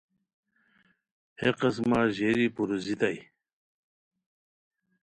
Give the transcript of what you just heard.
ہے قسمہ ژیری پروزیتائے